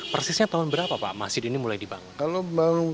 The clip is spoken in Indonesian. persisnya tahun berapa pak masjid ini mulai dibangun